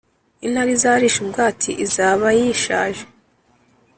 Intare izarisha ubwatsi izabaishaje